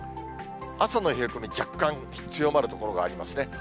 朝の冷え込み若干強まる所がありますね。